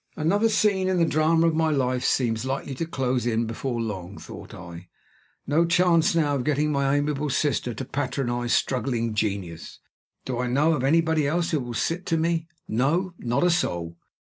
"Another scene in the drama of my life seems likely to close in before long," thought I. "No chance now of getting my amiable sister to patronize struggling genius. Do I know of anybody else who will sit to me? No, not a soul.